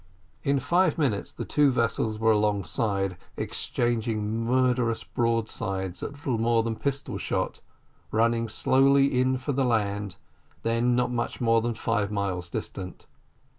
In five minutes the two vessels were alongside exchanging murderous broadsides at little more than pistol shot running slowly in for the land, than not more than five miles distant.